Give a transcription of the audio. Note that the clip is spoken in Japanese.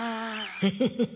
フフフフ